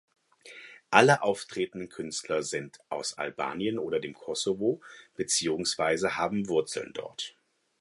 Alle auftretenden Künstler sind aus Albanien oder dem Kosovo beziehungsweise haben Wurzeln dort.